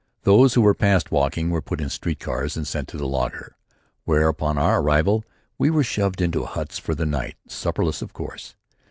Those who were past walking were put in street cars and sent to the laager, where upon our arrival we were shoved into huts for the night, supperless, of course.